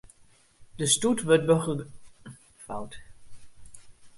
De stoet wurdt begelaat troch hynsteplysje en foarôfgien troch in wite iepen auto.